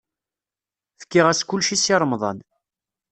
Fkiɣ-as kullec i Si Remḍan.